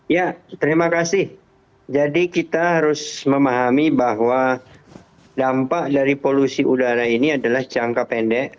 ya terima kasih jadi kita harus memahami bahwa dampak dari polusi udara ini adalah jangka pendek